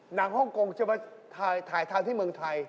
หนังโฮคกรงค์จะมาถ่ายทางที่เมืองไทย